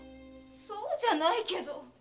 そうじゃないけど。